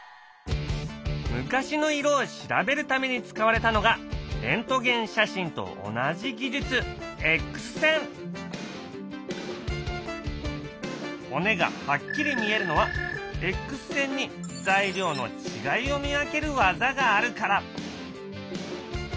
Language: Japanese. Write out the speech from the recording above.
昔の色を調べるために使われたのがレントゲン写真と同じ技術骨がはっきり見えるのはエックス線に材料の違いを見分ける技があるから。